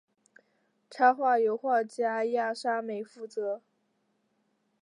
插画由画家亚沙美负责。